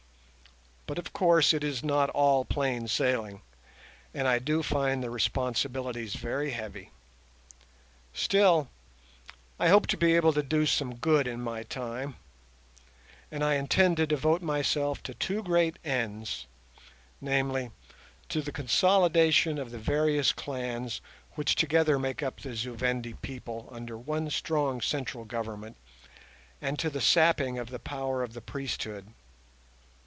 But, of course, it is not all plain sailing, and I find the responsibilities very heavy. Still, I hope to be able to do some good in my time, and I intend to devote myself to two great ends—namely, to the consolidation of the various clans which together make up the Zu Vendi people, under one strong central government, and to the sapping of the power of the priesthood.